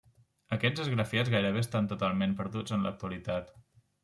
Aquests esgrafiats gairebé estan totalment perduts en l'actualitat.